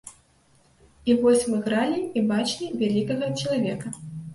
І вось мы гралі і бачылі вялікага чалавека.